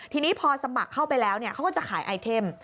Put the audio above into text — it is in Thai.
ทีนี้พอสมัครเข้าไปแล้วเขาก็จะขายไอเทม